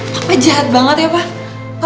papa jahat banget ya papa